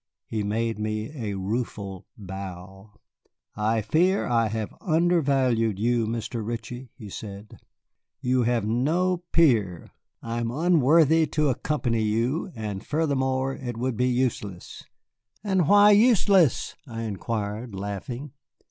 He made me a rueful bow. "I fear that I have undervalued you, Mr. Ritchie," he said. "You have no peer. I am unworthy to accompany you, and furthermore, it would be useless." "And why useless!" I inquired, laughing.